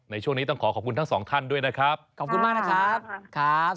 ในช่วงนี้ต้องขอขอบคุณทั้งสองท่านด้วยนะครับขอบคุณมากนะครับครับ